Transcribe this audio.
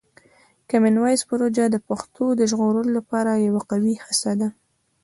کامن وایس پروژه د پښتو د ژغورلو لپاره یوه قوي هڅه ده.